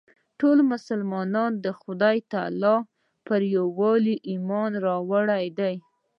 ټولو مسلمانانو د خدای تعلی په یووالي ایمان راوړی دی.